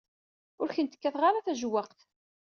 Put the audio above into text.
Ur kent-kkateɣ ara tajewwaqt.